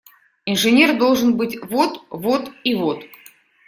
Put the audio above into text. Инженер должен быть – вот… вот… и вот…